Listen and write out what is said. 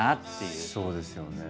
そうですよね。